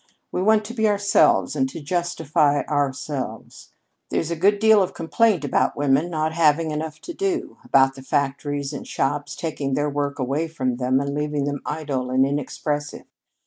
We want to be ourselves and to justify ourselves. There's a good deal of complaint about women not having enough to do about the factories and shops taking their work away from them and leaving them idle and inexpressive.